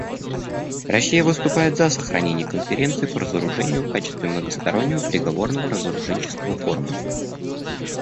Россия выступает за сохранение Конференции по разоружению в качестве многостороннего переговорного разоруженческого форума.